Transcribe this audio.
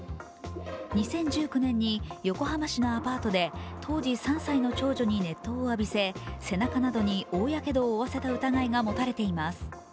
２０１９年に横浜市のアパートで当時３歳の長女に熱湯を浴びせ背中などに大やけどを負わせた疑いが持たれています。